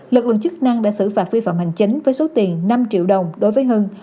lực lượng chức năng đã xử phạt vi phạm hành chính với số tiền năm triệu đồng đối với hưng